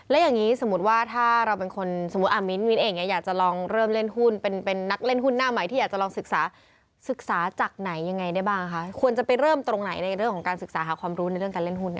แล้วอย่างนี้สมมุติว่าถ้าเราเป็นคนสมมุติมิ้นเองอยากจะลองเริ่มเล่นหุ้นเป็นนักเล่นหุ้นหน้าใหม่ที่อยากจะลองศึกษาศึกษาจากไหนยังไงได้บ้างคะควรจะไปเริ่มตรงไหนในเรื่องของการศึกษาหาความรู้ในเรื่องการเล่นหุ้น